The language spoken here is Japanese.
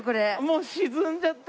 もう沈んじゃった。